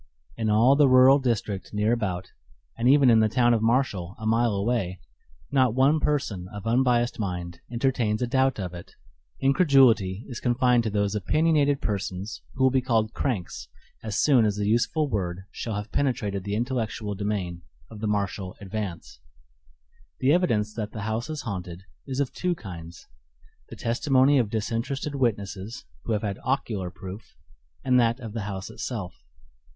In all the rural district near about, and even in the town of Marshall, a mile away, not one person of unbiased mind entertains a doubt of it; incredulity is confined to those opinionated persons who will be called "cranks" as soon as the useful word shall have penetrated the intellectual demesne of the Marshall Advance. The evidence that the house is haunted is of two kinds; the testimony of disinterested witnesses who have had ocular proof, and that of the house itself.